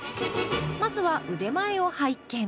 まずは腕前を拝見。